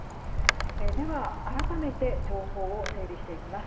では、改めて情報を整理していきます。